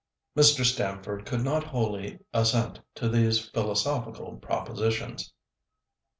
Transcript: Mr. Stamford could not wholly assent to these philosophical propositions.